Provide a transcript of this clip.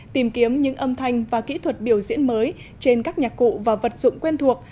tìm kiếm những âm thanh và kỹ thuật biểu diễn mới trên các nhạc cụ và vật dụng quen thuộc